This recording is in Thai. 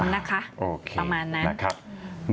นะคะประมาณนั้น